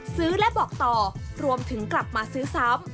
และบอกต่อรวมถึงกลับมาซื้อซ้ำ